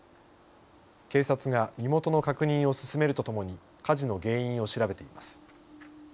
警察が身元の確認を進めるとともに火事の原因を調べています。